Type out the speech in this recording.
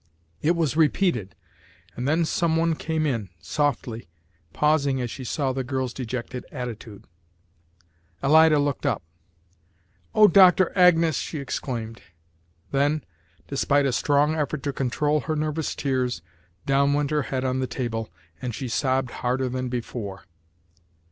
It was repeated, and then some one came in softly, pausing as she saw the girl's dejected attitude. Alida looked up, "Oh, Doctor Agnes!" she exclaimed; then, despite a strong effort to control her nervous tears, down went her head on the table, and she sobbed harder than before.